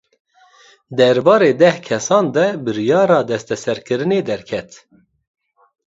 Derbarê deh kesan de biryara desteserkirinê derket.